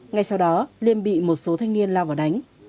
ngay sau đó liêm bị một số thanh niên lao vào đánh